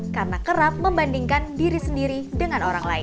karena kerap membandingkan diri sendiri dengan orang lain